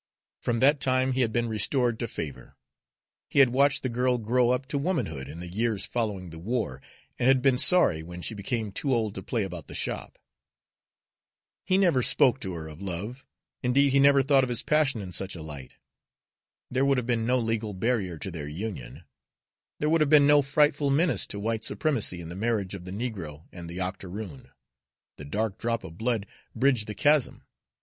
From that time he had been restored to favor. He had watched the girl grow up to womanhood in the years following the war, and had been sorry when she became too old to play about the shop. He never spoke to her of love, indeed, he never thought of his passion in such a light. There would have been no legal barrier to their union; there would have been no frightful menace to white supremacy in the marriage of the negro and the octoroon: the drop of dark blood bridged the chasm.